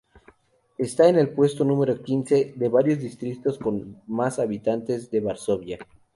Está en el puesto número quince de distritos con más habitantes de Varsovia.